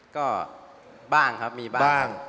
ก็บ้างครับมีบ้าง